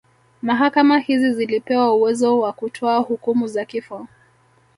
Mahakama hizi zilipewa uwezo wa kutoa hukumu za kifo